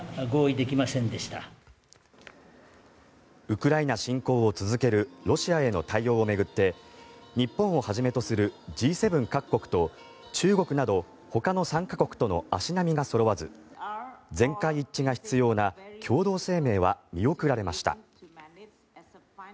ウクライナ侵攻を続けるロシアへの対応を巡って日本をはじめとするＧ７各国と中国などほかの参加国との足並みがそろわず全会一致が必要な共同声明は見送られました。